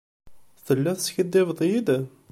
Telliḍ teskiddibeḍ-iyi-d?